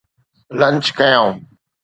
lunch ڪيائون